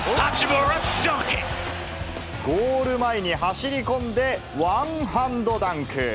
ゴール前に走り込んで、ワンハンドダンク。